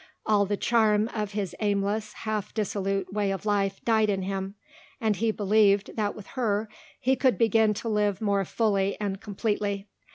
All the charm of his aimless, half dissolute way of life died in him, and he believed that with her he could begin to live more fully and completely.